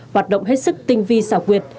hoạt động hết sức tinh vi xảo quyệt